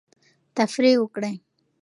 تفریح وکړئ.